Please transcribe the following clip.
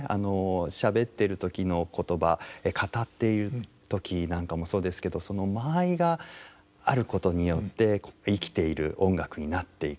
しゃべってる時の言葉語っている時なんかもそうですけどその間合いがあることによって生きている音楽になっていく。